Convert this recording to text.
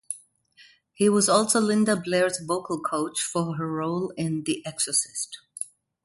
He was also Linda Blair's vocal coach for her role in "The Exorcist".